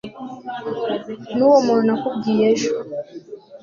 nuwo muntu nakubwiye ejo